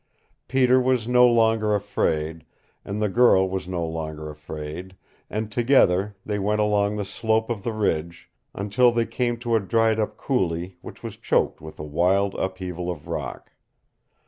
Peter was no longer afraid, and the girl was no longer afraid, and together they went along the slope of the ridge, until they came to a dried up coulee which was choked with a wild upheaval of rock.